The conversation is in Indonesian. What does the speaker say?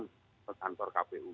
ke kantor kpu